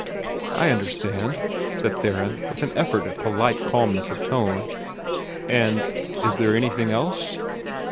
"I understand," said Theron, with an effort at polite calmness of tone. "And is there anything else?"